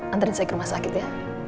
antarin saya ke rumah sakit ya